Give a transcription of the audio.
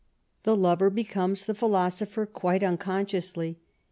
The lover becomes the philosopher quite un> consciously.